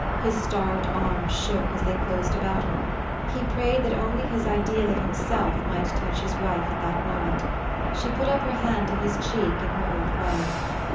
His starved arms shook as they closed about her. He prayed that only his ideal of himself might touch his wife at that moment. She put up her hand to his cheek in her old way.